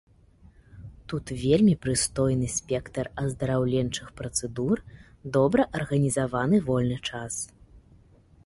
Тут вельмі прыстойны спектр аздараўленчых працэдур, добра арганізаваны вольны час.